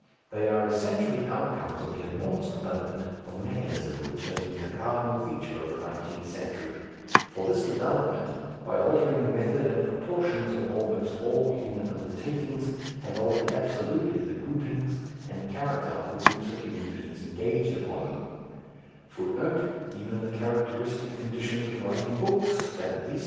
They are essentially outcomes of the enormous development of mechanism which has been the cardinal feature of the nineteenth century; for this development, by altering the method and proportions of almost all human undertakings, has altered absolutely the grouping and character of the groups of human beings engaged upon them.